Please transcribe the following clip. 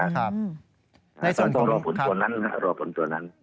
ต้องรอผลตัวนั้นครับ